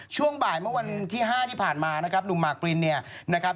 ช่วงบ่ายเมื่อวันที่๕ที่ผ่านมานะครับหนุ่มหมากปรินเนี่ยนะครับ